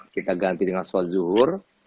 kita ganti dengan sholat zuhur